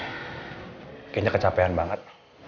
kayanya kecapean banget